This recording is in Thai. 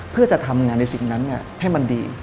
เพื่อจะทำงานในสิ่งนั้นให้มันดี